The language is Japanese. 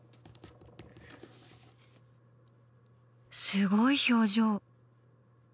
すごい表情。